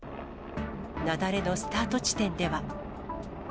雪崩のスタート地点では。